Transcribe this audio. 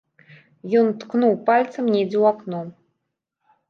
Ён ткнуў пальцам недзе ў акно.